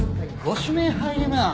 ご指名入ります。